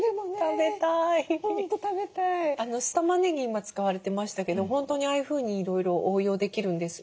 今使われてましたけど本当にああいうふうにいろいろ応用できるんです。